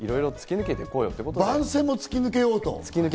番宣も突き抜けようと？